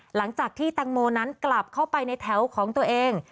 หลังจากที่แตงโมนั้นกลับเข้าไปในแถวของตัวเอง